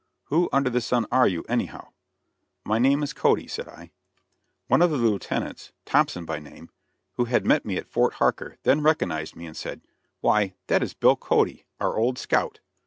Who under the sun are you, anyhow?" "My name is Cody," said I. One of the lieutenants, Thompson by name, who had met me at Fort Harker, then recognized me, and said: "Why, that is Bill Cody, our old scout."